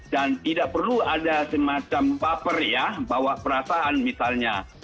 dan tidak perlu ada semacam paper ya bahwa perasaan misalnya